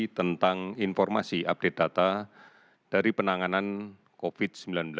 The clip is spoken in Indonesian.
tentang informasi update data dari penanganan covid sembilan belas